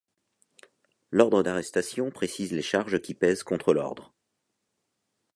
L'ordre d'arrestation précise les charges qui pèsent contre l'ordre.